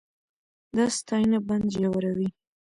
دا ستاینه بند ژوروي.